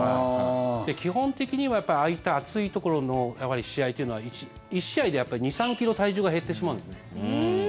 基本的には、ああいった暑いところの試合というのは１試合で２３ｋｇ体重が減ってしまうんですね。